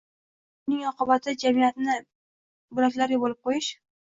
buning oqibatida jamiyatni bo‘laklarga bo‘lib qo‘yish